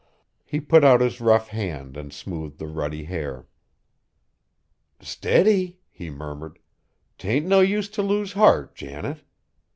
He put out his rough hand and smoothed the ruddy hair. "Steady," he murmured, "'tain't no use t' lose heart, Janet.